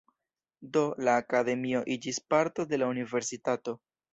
Do, la akademio iĝis parto de la universitato.